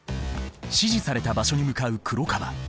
指示された場所に向かう黒川。